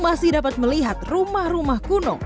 masih dapat melihat rumah rumah kuno